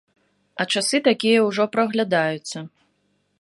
А часы такія ўжо праглядаюцца.